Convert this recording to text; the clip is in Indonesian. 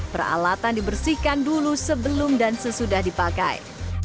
peralatan dibersihkan dulu sebelum dan sesudah dipakai